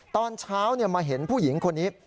ตอนเช้ามาเห็นผู้หญิงคนนี้